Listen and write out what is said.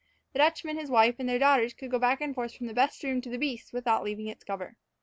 The Dutchman, his wife, and their daughters could go back and forth from the best room to the beasts without leaving its cover.